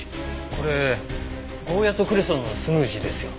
これゴーヤとクレソンのスムージーですよ。